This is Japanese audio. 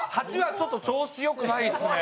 ちょっと調子よくないですね。